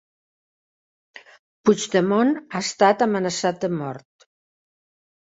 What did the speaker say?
Puigdemont ha estat amenaçat de mort